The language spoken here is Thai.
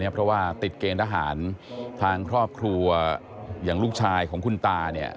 เพราะว่าติดเกณฑ์ทหารทางครอบครัวอย่างลูกชายของคุณตาเนี่ย